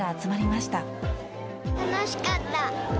楽しかった。